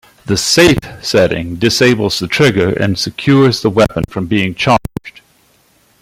The "safe" setting disables the trigger and secures the weapon from being charged.